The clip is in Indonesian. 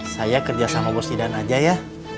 saya kerja sama bos tidan aja ya